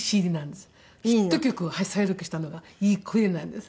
ヒット曲を再録したのがいい声なんです。